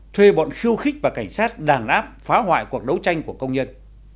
thuê bọn khiêu khích và cảnh sát đàn áp phá hoại cuộc đấu tranh của công nhân